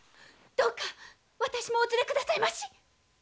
どうか私もお連れくださいまし。